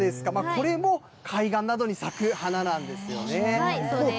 これも、海岸などに咲く花なんでそうです。